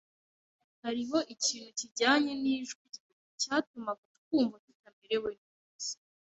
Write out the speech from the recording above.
Hariho ikintu kijyanye nijwi rye cyatumaga twumva tutamerewe neza.